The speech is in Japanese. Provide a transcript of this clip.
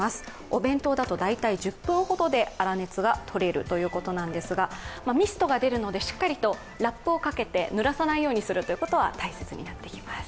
お弁当だと大体１０分ほどであら熱が取れるということなんですが、ミストが出るのでしっかりとラップをかけてぬらさないようにすることが大切になってきます。